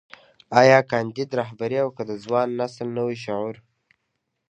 ايا کانديد رهبري او که د ځوان نسل نوی شعور.